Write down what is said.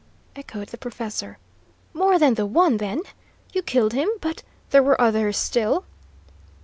echoed the professor. "More than the one, then? You killed him, but there were others, still?"